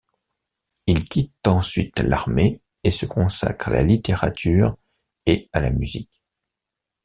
Il quitte ensuite l'armée et se consacre à la littérature et à la musique.